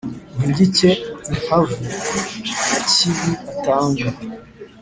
uhigike impamvu nyakibi atanga